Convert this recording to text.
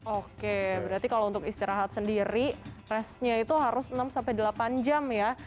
oke berarti kalau untuk istirahat sendiri tesnya itu harus enam sampai delapan jam ya